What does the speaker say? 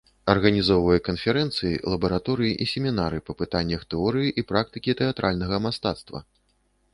Арганізоўвае канферэнцыі, лабараторыі і семінары па пытаннях тэорыі і практыкі тэатральнага мастацтва.